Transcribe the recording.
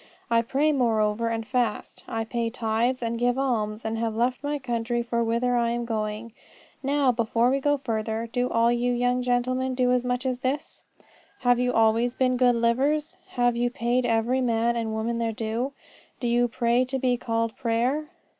I pray, moreover, and I fast. I pay tithes, and give alms, and have left my country for whither I am going." Now, before we go further: Do all you young gentlemen do as much as that? Have you always been good livers? Have you paid every man and woman their due? Do you pray to be called prayer?